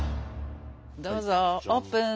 どうぞオープン！